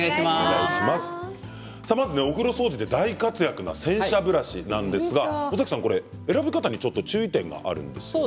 お風呂掃除で大活躍な洗車ブラシなんですが、尾崎さん選び方に注意点があるんですよね。